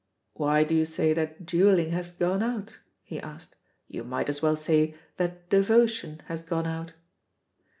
"Why do you say that duelling has done out?" he asked. "You might as well say that devotion has gone out."